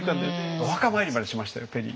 お墓参りまでしましたよペリー。